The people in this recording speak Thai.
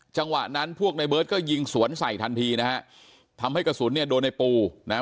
จังหวะนั้นพวกในเบิร์ตก็ยิงสวนใส่ทันทีนะฮะทำให้กระสุนเนี่ยโดนในปูนะฮะ